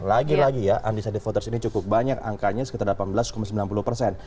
lagi lagi ya undecided voters ini cukup banyak angkanya sekitar delapan belas sembilan puluh persen